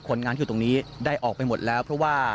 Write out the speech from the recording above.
คนงานที่อยู่ตรงนี้ได้ออกไปหมดแล้วเพราะว่า